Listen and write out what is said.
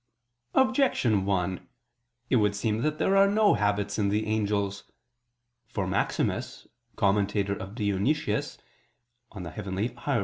Objection 1: It would seem that there are no habits in the angels. For Maximus, commentator of Dionysius (Coel. Hier.